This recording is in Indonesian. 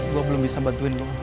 gue belum bisa bantuin